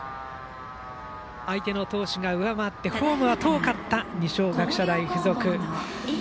相手の投手が上回ってホームが遠かった二松学舎大付属。